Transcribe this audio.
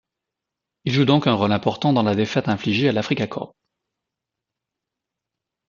Il joue donc un rôle important dans la défaite infligée à l'Afrika Korps.